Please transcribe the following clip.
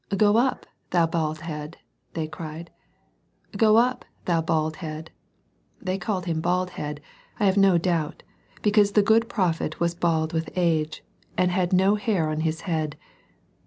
—" Go up, thou bald head," they cried, "go up, thou bald head." — They called him " bald head," I have no doubt, because the good prophet was bald with age, and had no hair on his head.